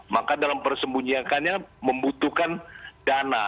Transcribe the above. maka dalam persembunyiannya membutuhkan dana